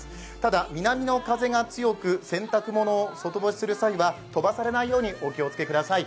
ただ、南の風が強く、洗濯物を外干しする際は飛ばされないようにお気をつけください。